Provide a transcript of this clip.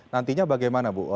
nantinya bagaimana ibu